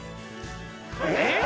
えっ！？